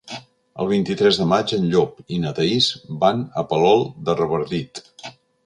El vint-i-tres de maig en Llop i na Thaís van a Palol de Revardit.